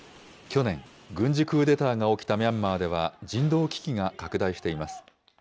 去年、軍事クーデターが起きたミャンマーでは、人道危機が拡大しています。